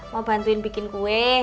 mau bantuin bikin kue